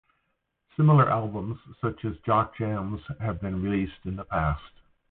Similar albums, such as Jock Jams have been released in the past.